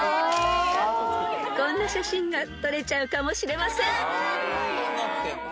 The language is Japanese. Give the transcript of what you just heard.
［こんな写真が撮れちゃうかもしれません］